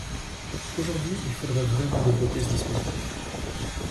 Aujourd’hui, il faudrait vraiment développer ce dispositif.